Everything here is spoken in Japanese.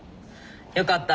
よかった。